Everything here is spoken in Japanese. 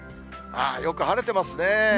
よく晴れてますね。